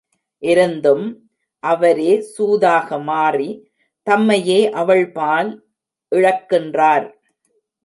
இருந்தும், அவரே சூதாக மாறி, தம்மையே அவள்பால் இழக்கின்றார்.